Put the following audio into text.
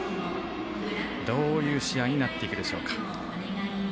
どういう試合になっていくでしょうか。